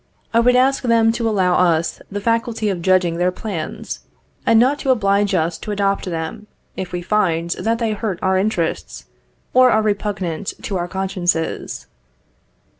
I would ask them to allow us the faculty of judging of their plans, and not to oblige us to adopt them, if we find that they hurt our interests or are repugnant to our consciences.